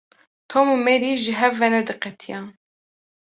Tom û Mary ji hev venediqetiyan.